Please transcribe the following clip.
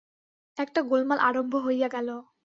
একটা গোলমাল আরম্ভ হইয়া গেল।